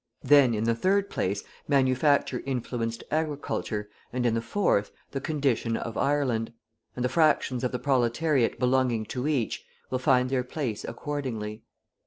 Then, in the third place, manufacture influenced agriculture, and in the fourth, the condition of Ireland; and the fractions of the proletariat belonging to each, will find their place accordingly.